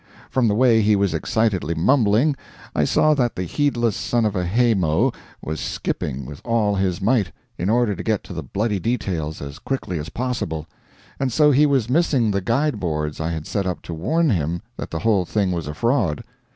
From the way he was excitedly mumbling, I saw that the heedless son of a hay mow was skipping with all his might, in order to get to the bloody details as quickly as possible; and so he was missing the guide boards I had set up to warn him that the whole thing was a fraud.